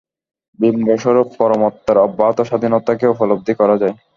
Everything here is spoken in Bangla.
বিম্ব-স্বরূপ পরমাত্মার অব্যাহত স্বাধীনতাকে উপলব্ধি করা যায়।